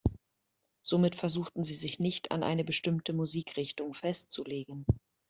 Somit versuchten sie sich nicht an eine bestimmte Musikrichtung festzulegen.